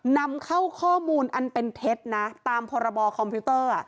นำเข้าข้อมูลอันเป็นเท็จนะตามพรบคอมพิวเตอร์